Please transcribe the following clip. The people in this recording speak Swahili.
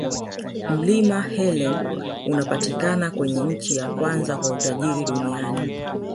Mlima helen unapatikana kwenye nchi ya kwanza kwa tajiri duniani